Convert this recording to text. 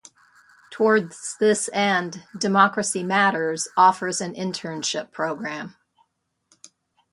Towards this end, Democracy Matters offers an internship program.